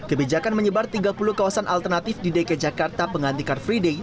kebijakan menyebar tiga puluh kawasan alternatif di dki jakarta pengganti car free day